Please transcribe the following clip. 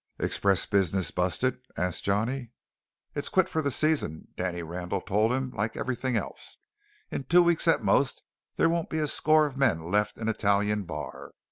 "Express business busted?" asked Johnny. "It's quit for the season," Danny Randall told him, "like everything else. In two weeks at most there won't be a score of men left in Italian Bar."